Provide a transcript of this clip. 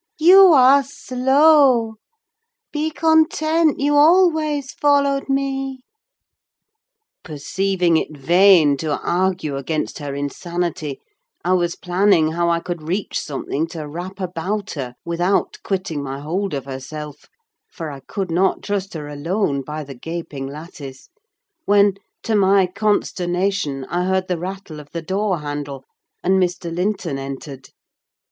You are slow! Be content, you always followed me!" Perceiving it vain to argue against her insanity, I was planning how I could reach something to wrap about her, without quitting my hold of herself (for I could not trust her alone by the gaping lattice), when, to my consternation, I heard the rattle of the door handle, and Mr. Linton entered.